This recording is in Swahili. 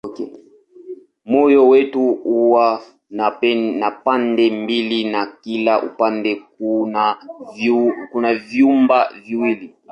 Moyo wetu huwa na pande mbili na kila upande kuna vyumba viwili.